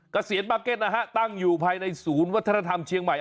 เกษียณบาร์เก็ตนะฮะตั้งอยู่ภายในศูนย์วัฒนธรรมเชียงใหม่